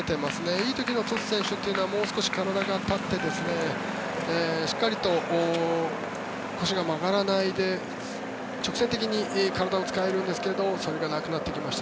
いい時のトス選手というのはもう少し体が立ってしっかりと腰が曲がらないで直線的に体を使えるんですけどそれがなくなってきました。